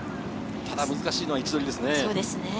難しいのは位置取りですね。